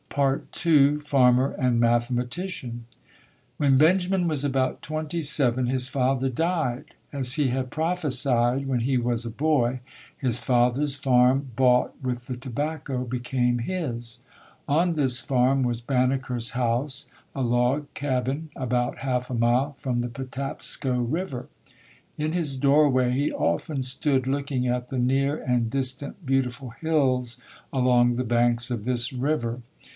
II FARMER AND MATHEMATICIAN When Benjamin was about twenty seven, his father died. As he had prophesied when he was a boy, his father's farm bought with the tobacco, became his. On this farm was Banneker's house a log cabin about half a mile from the Patapsco River. In his doorway he often stood looking at the near and distant beautiful hills along the banks of this river.